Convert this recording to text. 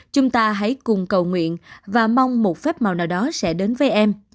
chúng ta hãy cùng cầu nguyện và mong một phép màu nào đó sẽ đến với em